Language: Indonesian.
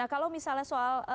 nah kalau misalnya soal